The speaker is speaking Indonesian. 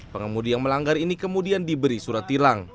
pengemudi yang melanggar ini kemudian diberi surat tilang